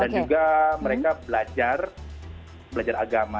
dan juga mereka belajar belajar agama